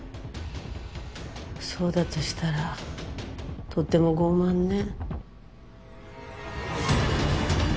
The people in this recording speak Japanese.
そうだとしたらとても傲慢ね。